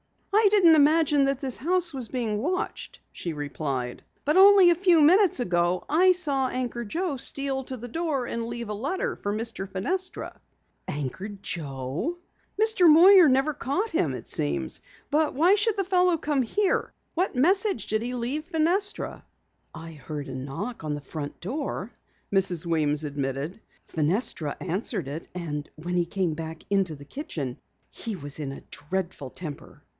"I didn't imagine that this house was being watched," she replied. "Only a few minutes ago I saw Anchor Joe steal to the door and leave a letter for Mr. Fenestra." "Anchor Joe!" "Mr. Moyer never caught him it seems. But why should the fellow come here? What message did he leave Fenestra?" "I heard a knock on the front door," Mrs. Weems admitted. "Fenestra answered it, and when he came back into the kitchen he was in a dreadful temper."